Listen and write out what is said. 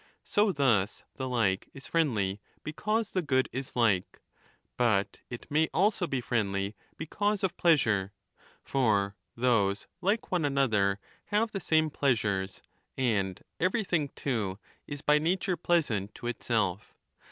So 15 thus the like is friendly, because the good is like ; but it may also be friendly because of pleasure ; for those like one another have the same pleasures, and everything too is by nature pleasant to itself.